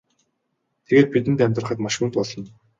Тэгээд бидэнд амьдрахад маш хүнд болно.